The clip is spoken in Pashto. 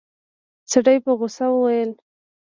سړي په غوسه وويل.